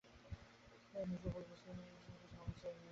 নিজের ভুল বুঝতে পেরে সঙ্গে সঙ্গেই মুশফিকের কাছে ক্ষমা চেয়ে নিয়েছেন।